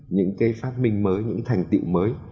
những cái phát minh mới những thành tựu mới